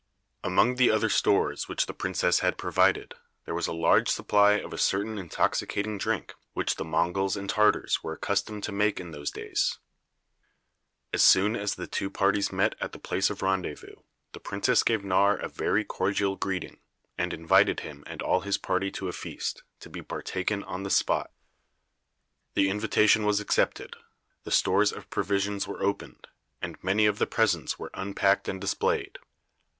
Among the other stores which the princess had provided, there was a large supply of a certain intoxicating drink which the Monguls and Tartars were accustomed to make in those days. As soon as the two parties met at the place of rendezvous the princess gave Nawr a very cordial greeting, and invited him and all his party to a feast, to be partaken on the spot. The invitation was accepted, the stores of provisions were opened, and many of the presents were unpacked and displayed.